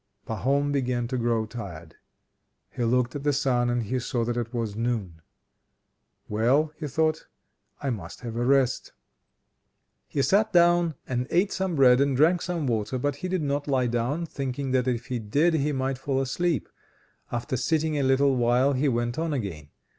Pahom began to grow tired: he looked at the sun and saw that it was noon. "Well," he thought, "I must have a rest." He sat down, and ate some bread and drank some water; but he did not lie down, thinking that if he did he might fall asleep. After sitting a little while, he went on again.